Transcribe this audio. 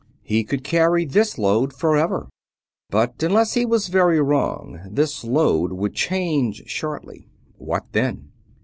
He could carry this load forever but unless he was very wrong, this load would change shortly. What then?